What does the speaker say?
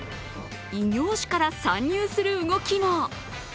異業種から参入する動きも。